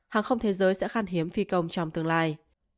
hàng không thế giới sẽ khan hiếm phi công trong tương lai